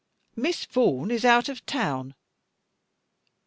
Miss Vaughan is out of town.